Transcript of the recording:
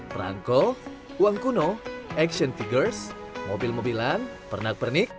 perangko uang kuno action figures mobil mobilan pernak pernik